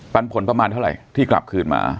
ปันผลประมาณเท่าไหร่ที่กลับคืนมา